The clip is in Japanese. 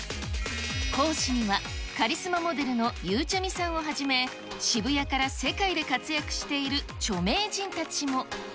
講師にはカリスマモデルのゆうちゃみさんをはじめ、渋谷から世界で活躍している著名人たちも。